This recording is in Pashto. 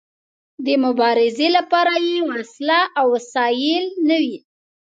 د مبارزې لپاره يې وسله او وسايل نه وي.